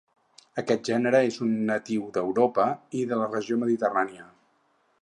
Aquest gènere és natiu d'Europa i de la regió mediterrània.